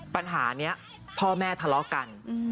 ปัญหานี้พ่อแม่ทะเลาะกัน